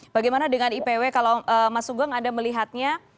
bagaimana dengan ipw kalau mas sugeng anda melihatnya